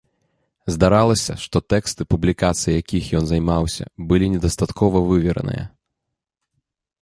Здаралася, што тэксты, публікацыяй якіх ён займаўся, былі недастаткова вывераныя.